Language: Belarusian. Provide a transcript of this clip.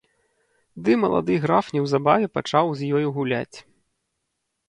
Ды малады граф неўзабаве пачаў з ёю гуляць.